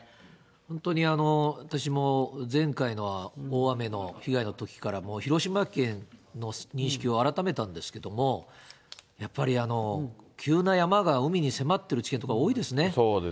本当に私も前回の大雨の被害のときから、もう広島県の認識を改めたんですけれども、やっぱり急な山が海に迫ってる地形とか多いですね。